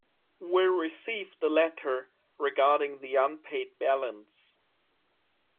We received a letter regarding the unpaid balance.